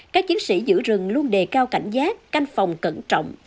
các chiến sĩ giữ rừng luôn đề cao cảnh giác canh phòng cẩn trọng